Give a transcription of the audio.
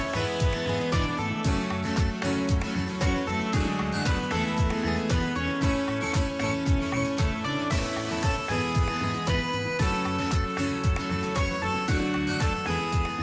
โปรดติดตามตอนต่อไป